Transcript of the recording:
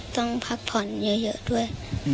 ต้องพักผ่อนเยอะด้วย